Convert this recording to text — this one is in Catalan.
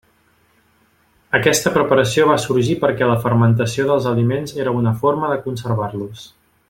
Aquesta preparació va sorgir perquè la fermentació dels aliments era una forma de conservar-los.